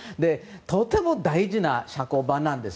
とても大事な社交場なんです。